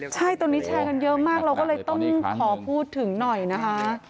ใช่ตอนนี้แชร์กันเยอะมากเราก็เลยต้องขอพูดถึงหน่อยนะคะ